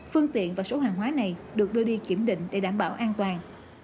phương tiện và số hàng hóa này được đưa đi kiểm định để đảm bảo an toàn